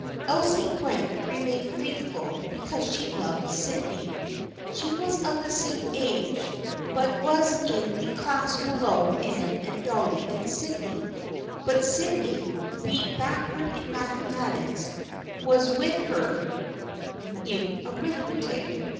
Elsie Brent remained faithful because she loved Sydney. She was of the same age but was in the class below Anne and Dolly and Sydney, but Syd ney, being backward in mathematics, was with her 107 108 THE FRIENDSHIP OF ANNE in arithmetic.